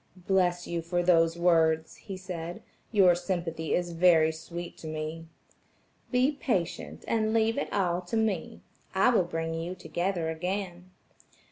"Bless you for those words," he said, "your sympathy is very sweet to me." "Be patient, and leave it all to me; I will bring you together again."